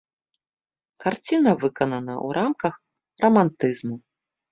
Карціна выканана ў рамках рамантызму.